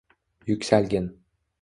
Yuksalgin!